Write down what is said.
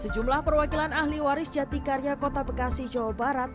sejumlah perwakilan ahli waris jatikarya kota bekasi jawa barat